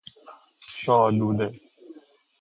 شاه لوله